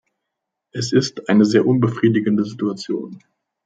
Es ist eine sehr unbefriedigende Situation.